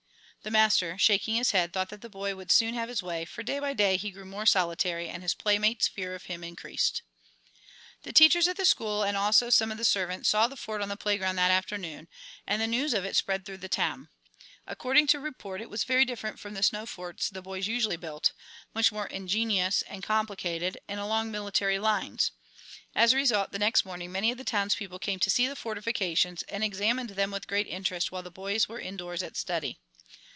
The master, shaking his head, thought that the boy would soon have his way, for day by day he grew more solitary and his playmates' fear of him increased. The teachers at the school and also some of the servants saw the fort on the playground that afternoon, and the news of it sped through the town. According to report it was very different from the snow forts the boys usually built, much more ingenious and complicated, and along military lines. As a result the next morning many of the townspeople came to see the fortifications and examined them with great interest while the boys were indoors at study.